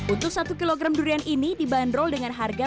untuk satu kilogram durian ini dibanderol dengan harga